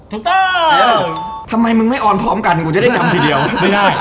ถูกต้องเออทำไมมึงไม่ออนพร้อมกันกูจะได้จำทีเดียวไม่ได้